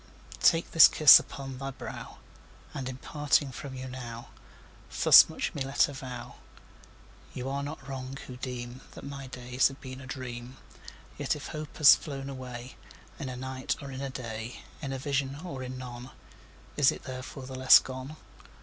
Take this kiss upon the brow! And, in parting from you now, Thus much let me avow You are not wrong, who deem That my days have been a dream: Yet if hope has flown away In a night, or in a day, In a vision or in none, Is it therefore the less gone?